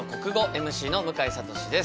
ＭＣの向井慧です。